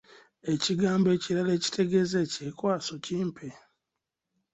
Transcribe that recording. Ekigambo ekirala ekitegeeza ekyekwaso, kimpe?